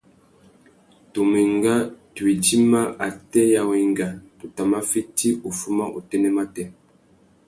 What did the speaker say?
Tu mà enga tu idjima atê ya wenga, tu tà mà fiti uffuma utênê matê.